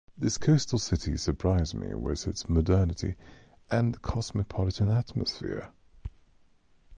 This coastal city surprised me with its modernity and cosmopolitan atmosphere.